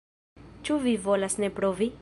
Ĉu vi volas ne provi?